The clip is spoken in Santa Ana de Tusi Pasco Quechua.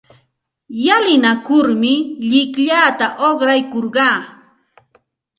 Llalinakurmi llikllata uqraykurqaa.